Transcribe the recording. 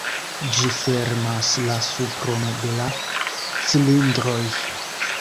Ĝi fermas la supron de la cilindroj.